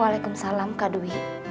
waalaikumsalam kak dwi